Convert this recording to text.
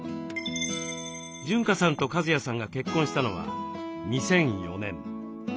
潤香さんと和也さんが結婚したのは２００４年。